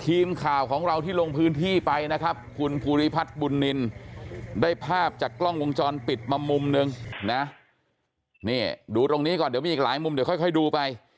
ทีมข่าวของเราที่ลงพื้นที่ไปนะครับคุณภูริพัฒน์บุญนินได้ภาพจากกล้องวงจรปิดมามุมนึงนะนี่ดูตรงนี้ก่อนเดี๋ยวมีอีกหลายมุมเดี๋ยวค่อยดูไป